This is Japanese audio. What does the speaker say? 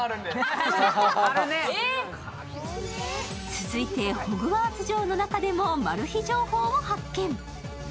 続いて、ホグワーツ城の中でもマル秘情報を発見。